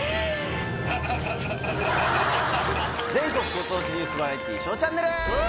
ご当地ニュースバラエティー『ＳＨＯＷチャンネル』！